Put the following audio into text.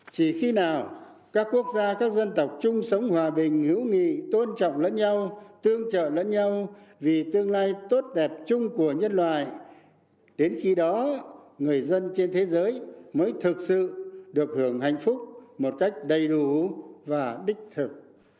chỉ khi nào các quốc gia các dân tộc chung sống hòa bình hữu nghị tôn trọng lẫn nhau tương trợ lẫn nhau vì tương lai tốt đẹp chung của nhân loại đến khi đó người dân trên thế giới mới thực sự được hưởng hạnh phúc một cách đầy đủ và đích thực